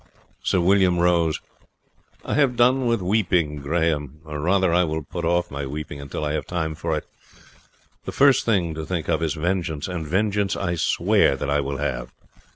Sir William rose: "I have done with weeping, Grahame, or rather I will put off my weeping until I have time for it. The first thing to think of is vengeance, and vengeance I swear that I will have.